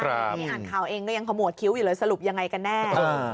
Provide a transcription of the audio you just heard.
นี่อ่านข่าวเองก็ยังขมวดคิ้วอยู่เลยสรุปยังไงกันแน่